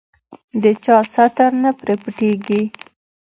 د چا ستر نه پرې پټېږي.